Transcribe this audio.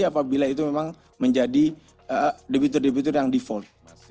apabila itu memang menjadi debitur debitur yang default